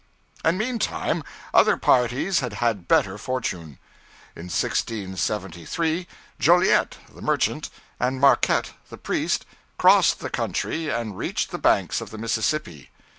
And meantime other parties had had better fortune. In 1673 Joliet the merchant, and Marquette the priest, crossed the country and reached the banks of the Mississippi.